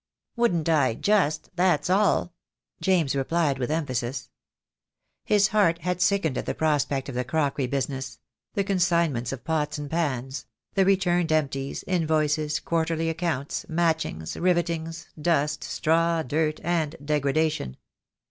"Wouldn't I just, that's all," James replied with em phasis. His heart had sickened at the prospect of the crockery business; the consignments of pots and pans; the returned empties, invoices, quarterly accounts, matchings, rivetings, dust, straw, dirt, and degradation.